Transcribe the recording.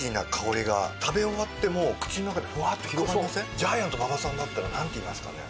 ジャイアント馬場さんだったらなんて言いますかね？